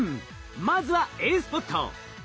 まずはＡスポット。